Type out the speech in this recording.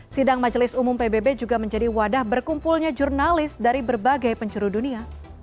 sidang majelis umum pbb juga menjadi wadah berkumpulnya jurnalis dari berbagai penjuru dunia